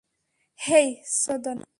হেই, চোদনা!